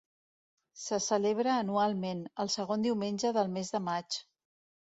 Se celebra anualment, el segon diumenge del mes de maig.